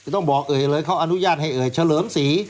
ต้องบอกเอ่ยเลยเขาอนุญาตให้เอ่ยเฉลิมศรี